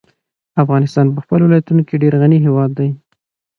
افغانستان په خپلو ولایتونو ډېر غني هېواد دی.